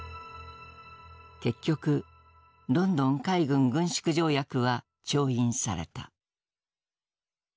結局ロンドン海軍軍縮条約は調印された。